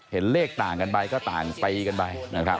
เห็นเลขต่างกันไปก็ต่างไปกันไป